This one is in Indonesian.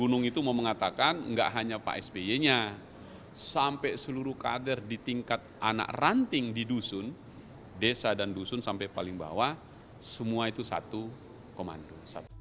gunung itu mau mengatakan nggak hanya pak sby nya sampai seluruh kader di tingkat anak ranting di dusun desa dan dusun sampai paling bawah semua itu satu komando